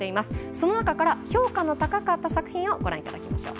その中から評価の高かった作品をご覧いただきましょう。